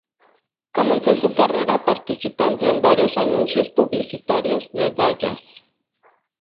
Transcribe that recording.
Comenzó su carrera participando en varios anuncios publicitarios de Dallas.